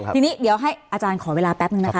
ทีนี้เดี๋ยวให้อาจารย์ขอเวลาแป๊บนึงนะคะ